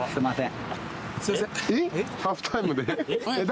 すいません。